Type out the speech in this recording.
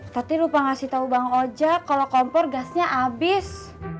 tati lupa ngasih tau bang oja kalau kompor gasnya abis